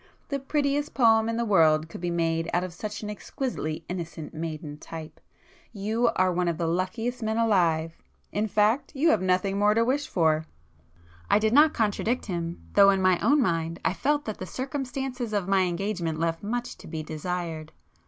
The prettiest poem in the world could be made out of such an exquisitely innocent maiden type! You are one of the luckiest men alive; in fact, you have nothing more to wish for!" I did not contradict him, though in my own mind I felt that the circumstances of my engagement left much to be desired.